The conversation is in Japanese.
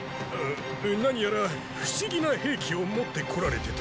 何やら不思議な兵器を持って来られてた。